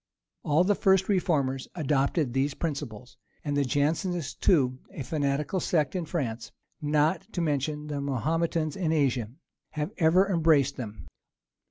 All the first reformers adopted these principles; and the Jansenists too, a fanatical sect in France, not to mention the Mahometans in Asia, have ever embraced them.